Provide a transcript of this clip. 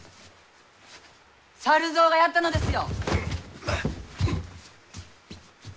猿蔵がやったのですよ。